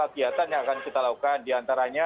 kegiatan yang akan kita lakukan di antaranya